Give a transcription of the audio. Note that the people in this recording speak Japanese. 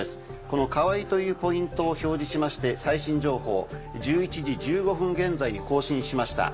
この川合というポイントを表示しまして最新情報１１時１５分現在に更新しました。